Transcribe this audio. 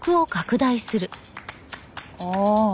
ああ。